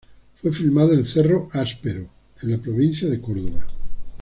Fue filmada en Cerro Áspero en la provincia de Córdoba.